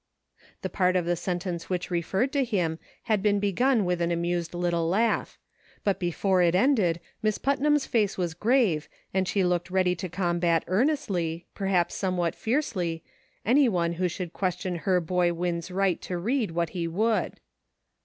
The part of the sentence which referred to him had been begun with an amused little laugh ; but before it ended Miss Putnam's face was grave and she looked ready to combat earnestly, perhaps somewhat fiercely, any one who should question her boy Win's right to read what he would.